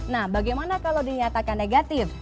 nah bagaimana kalau dinyatakan negatif